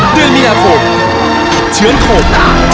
เดือนมีนาคมเชื้อนคม